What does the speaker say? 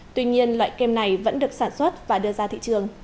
tuy nhiên loại kem này vẫn được sản xuất và đưa ra thị trường